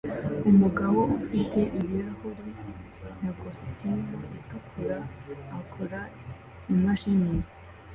Umugabo ufite ibirahuri na kositimu itukura akora imashini